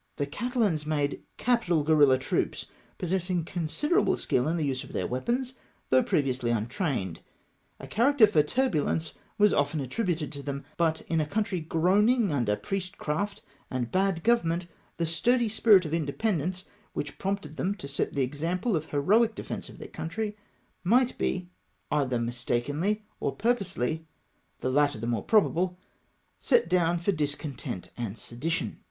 The Catalans made capital guerilla troops, possessing considerable skill in the use of their weapons, though pre\dously untrained. A character for turbidence was often attributed to them ; but, in a country groaning under priestcraft and bad government, the sturdy spirit of independence, which prompted them to set the example of heroic defence of their country, might be, either mistakenly or purposely — the latter the more probable — set down for discontent and sedition.